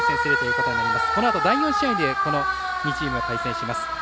このあと第４試合でこの２チームが対戦します。